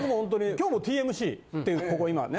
今日もＴＭＣっていうここ今ね。